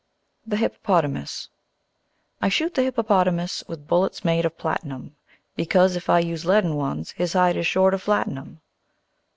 The Hippopotamus I shoot the Hippopotamus with bullets made of platinum, Because if I use leaden ones his hide is sure to flatten 'em.